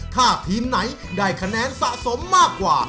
ถ้าทีมไหนได้คะแนนสะสมมากกว่า